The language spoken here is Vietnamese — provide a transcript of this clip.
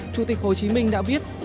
chủ tịch hồ chí minh đã viết